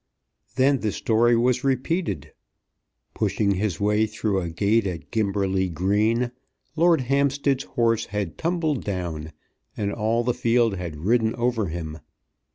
Then the story was repeated. Pushing his way through a gate at Gimberley Green, Lord Hampstead's horse had tumbled down, and all the field had ridden over him.